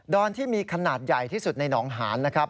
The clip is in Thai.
อนที่มีขนาดใหญ่ที่สุดในหนองหานนะครับ